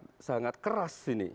sangat sangat keras ini